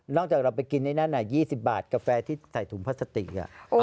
นอกจากเราไปกินที่นั้นน่ะยี่สิบบาทกาแฟที่ใส่ถุงภาษาตรีอ่ะ